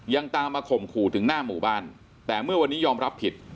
ยังตามมาข่มขู่ถึงหน้าหมู่บ้านแต่เมื่อวันนี้ยอมรับผิด